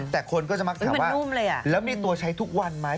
แต่คนก็จะมักถามว่าแล้วมีตัวใช้ทุกวันไหม